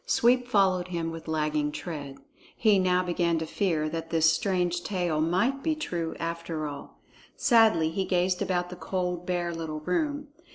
Sweep followed him with lagging tread. He now began to fear that this strange tale might be true after all. Sadly he gazed about the cold, bare little room.